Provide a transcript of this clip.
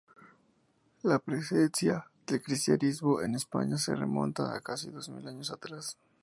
La presencia del cristianismo en España se remonta a casi dos mil años atrás.